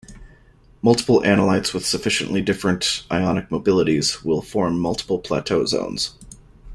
Multiple analytes with sufficiently different ionic mobilities will form multiple plateau zones.